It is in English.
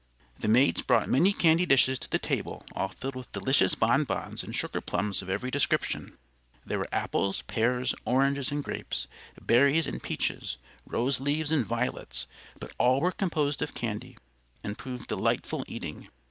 The maids brought many candy dishes to the table all filled with delicious bonbons and sugar plums of every description. There were apples, pears, oranges and grapes, berries and peaches, rose leaves and violets; but all were composed of candy and proved delightful eating.